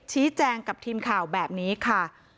ชี้แจงกับทีมข่าวแบบนี้ค่ะ